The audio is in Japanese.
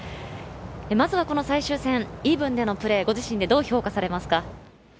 まずはこの最終戦、イーブンでのプレー、どう評価されますか？